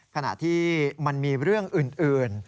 ขณะที่มันมีเรื่องอื่น